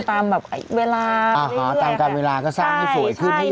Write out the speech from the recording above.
อ่าฮะตามการเวลาก็สร้างให้สวยขึ้นให้ใหญ่ขึ้น